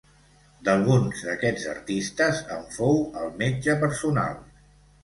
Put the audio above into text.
D'alguns d'aquests artistes, en fou el metge personal.